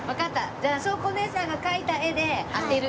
じゃあしょうこおねえさんが描いた絵で当てる。